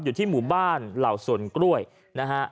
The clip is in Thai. อยู่ที่หมู่บ้านเหล่าสวนกล้วยนะฮะ